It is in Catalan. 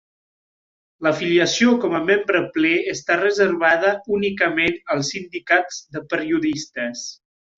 L'afiliació com a membre ple està reservada únicament als sindicats de periodistes.